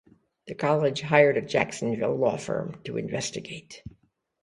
The college hired a Jacksonville law firm to investigate.